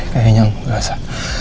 kayaknya enggak sa